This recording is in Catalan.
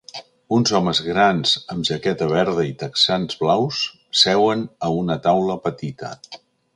Uns homes grans amb jaqueta verda i texans blaus seuen a una taula petita.